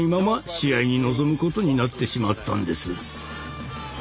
試合に臨むことになってしまったんです。